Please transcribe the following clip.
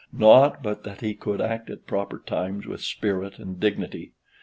Not but that he could act at proper times with spirit and dignity.